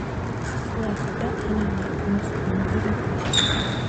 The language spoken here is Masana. Sùha dah ala na muss vun gerekna.